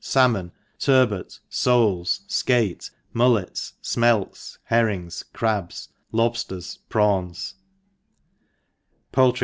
Salmon Turbot Soles Skate Mullets B b 3 Smelts Herrings Crabs Lobilers Prawns POULTRr